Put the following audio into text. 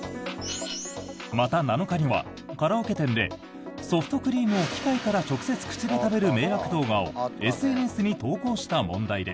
また、７日にはカラオケ店でソフトクリームを機械から直接口で食べる迷惑動画をＳＮＳに投稿した問題で